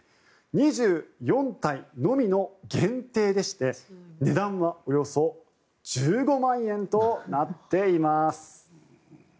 ２４体のみの限定でして値段はおよそ１５万円となっています。